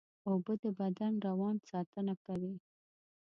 اوبه د بدن روان ساتنه کوي